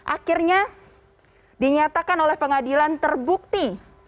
akhirnya dinyatakan oleh pengadilan terbukti